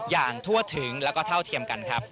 อย่างทั่วถึงแล้วก็เท่าเทียมกันครับ